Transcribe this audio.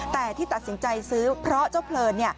แต่ที่ตัดสินใจซื้อเพราะเจ้าเพลิน